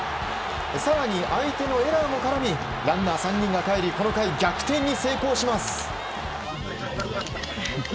更に相手のエラーも絡みランナー３人がかえりこの回逆転に成功します。